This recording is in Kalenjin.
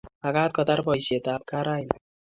Magaat kotar boisietab gaa raini